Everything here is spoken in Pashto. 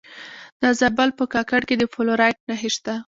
د زابل په کاکړ کې د فلورایټ نښې شته.